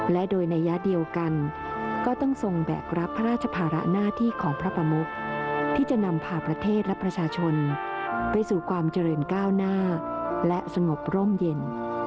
และโดยนัยยะเดียวกันก็ต้องทรงแบกรับพระราชภาระหน้าที่ของพระประมุกที่จะนำพาประเทศและประชาชนไปสู่ความเจริญก้าวหน้าและสงบร่มเย็น